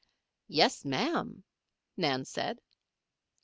"Yes, Ma'am," Nan said.